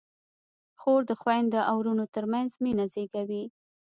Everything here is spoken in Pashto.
خور د خویندو او وروڼو ترمنځ مینه زېږوي.